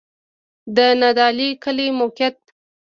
د نادعلي کلی موقعیت